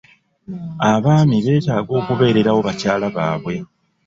Abaami beetaaga okubeererawo bakyala baabwe.